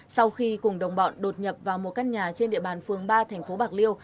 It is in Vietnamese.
sau khi cùng đồng bọn đột nhập vào một căn nhà trên địa bàn phường ba thành phố bạc liêu